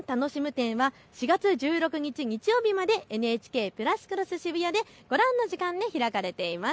展は４月１６日日曜日までＮＨＫプラスクロスＳＨＩＢＵＹＡでご覧の時間で開かれています。